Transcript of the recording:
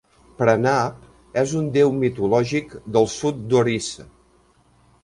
Pranab és un déu mitològic del sud d'Orissa.